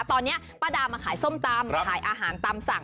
ตอนนี้ป้าดามาขายส้มตำขายอาหารตามสั่ง